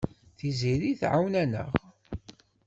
Tiziri tɛawen-aneɣ.